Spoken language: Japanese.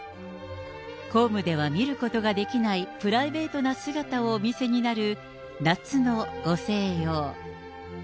公務では見ることができないプライベートな姿をお見せになる夏のご静養。